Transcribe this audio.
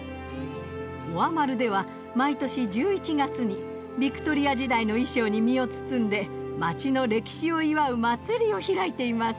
オアマルでは毎年１１月にビクトリア時代の衣装に身を包んで街の歴史を祝う祭りを開いています。